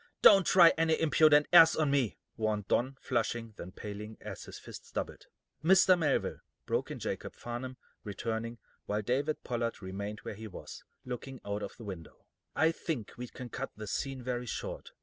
"Don't try any impudent airs on me," warned Don, flushing, then paling, as his fists doubled. "Mr. Melville," broke in Jacob Farnum, returning, while David Pollard remained where he was, looking out of the window, "I think we can cut this scene very short.